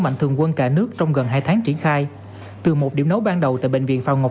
mạnh thường quân cả nước trong gần hai tháng triển khai từ một điểm nấu ban đầu tại bệnh viện phòng ngọc